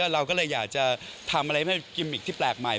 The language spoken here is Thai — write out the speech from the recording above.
เราก็เลยอยากจะทำอะไรให้มันกิมมิกที่แปลกใหม่